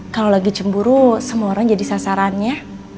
kalau lagi cemburu semua orang jadi sasarannya